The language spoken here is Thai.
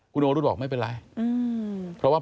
คุณโอวรุธบอกว่าไม่เป็นไร